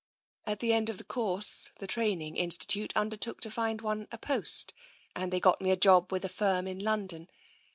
At the end of the course, the training institute undertook to find one a post — and they got me a job with a firm in London.